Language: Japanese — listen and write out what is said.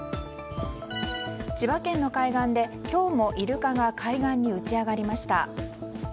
千葉県の海岸で、今日もイルカが海岸に打ち揚がりました。